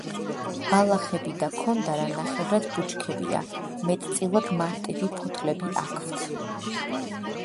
ბალახები და ქონდარა ნახევრად ბუჩქებია, მეტწილად მარტივი ფოთლები აქვთ.